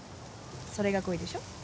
それが恋でしょ？